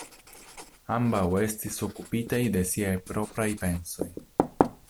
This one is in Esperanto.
Ambaŭ estis okupitaj de siaj propraj pensoj.